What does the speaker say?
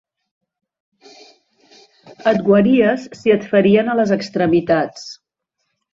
Et guaries si et ferien a les extremitats